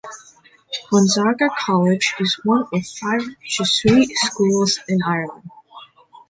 Gonzaga College is one of five Jesuit schools in Ireland.